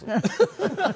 ハハハハ。